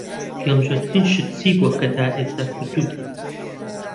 گەمژەترین شت چی بووە کە تا ئێستا کردووتە؟